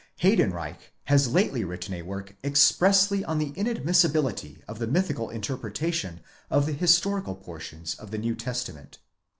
Heydenreich has lately written a work expressly on the inadmissibility of the mythical interpretation of the historical portions of the New Testament.